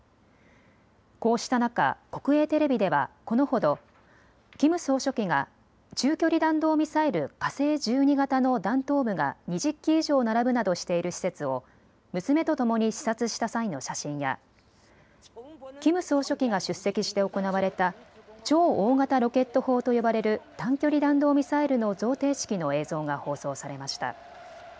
こうした中、国営テレビではこのほどキム総書記が中距離弾道ミサイル火星１２型の弾頭部が２０基以上並ぶなどしている施設を娘とともに視察した際の写真やキム総書記が出席して行われた超大型ロケット砲と呼ばれる短距離弾道ミサイルの贈呈式の映像が放送されました。